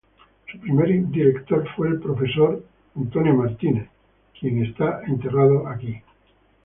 Su primer director fue el Profesor Harold Pearson, quien está enterrado aquí.